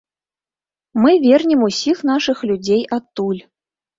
Мы вернем усіх нашых людзей адтуль.